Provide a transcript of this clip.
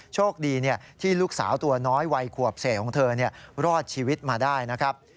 โชคดีที่ลูกสาวตัวน้อยวัยขวบเศษของเธอรอดชีวิตมาได้นะครับ